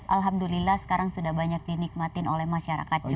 alhamdulillah sekarang sudah banyak dinikmatin oleh masyarakat juga